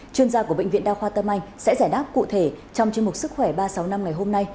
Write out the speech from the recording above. chuyên gia của bệnh viện đa khoa tâm anh sẽ giải đáp cụ thể trong chương mục sức khỏe ba sáu năm ngày hôm nay